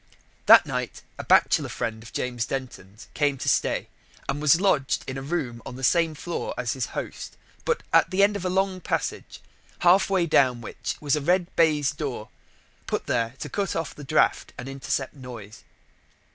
That night a bachelor friend of James Denton's came to stay, and was lodged in a room on the same floor as his host, but at the end of a long passage, halfway down which was a red baize door, put there to cut off the draught and intercept noise.